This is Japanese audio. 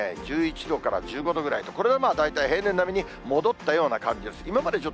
１１度から１５度ぐらいと、これでまあ大体平年並みに戻ったような感じです。